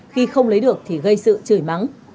khi không lấy được thì gây sự chửi mắng